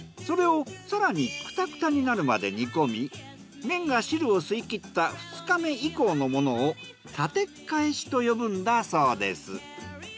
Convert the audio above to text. それを更にクタクタになるまで煮込み麺が汁を吸い切った２日目以降のものをたてっかえしと呼ぶんだそうです。